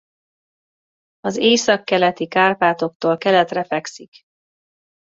Az Északkeleti-Kárpátoktól keletre fekszik.